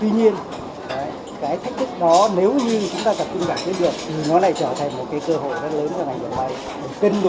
tuy nhiên cái thách thức đó nếu như chúng ta gặp chung cảm biết được thì nó lại trở thành một cái cơ hội rất lớn cho ngành dệt may